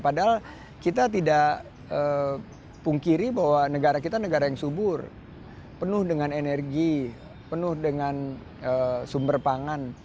padahal kita tidak pungkiri bahwa negara kita negara yang subur penuh dengan energi penuh dengan sumber pangan